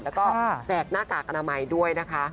แล้วก็แจกหน้ากากอนามัยด้วยนะคะ